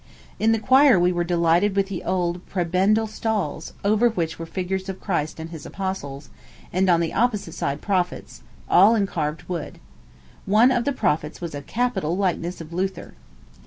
In the choir we were delighted with the old prebendal stalls, over which were figures of Christ and his apostles, and on the opposite side prophets, all in carved wood. One of the prophets was a capital likeness of Luther.